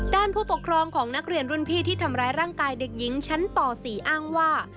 ผู้ปกครองของนักเรียนรุ่นพี่ที่ทำร้ายร่างกายเด็กหญิงชั้นป๔อ้างว่า